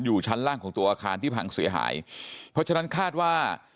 ชั้นล่างของตัวอาคารที่พังเสียหายเพราะฉะนั้นคาดว่า